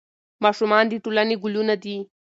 ماشومان د ټولنې ګلونه دي.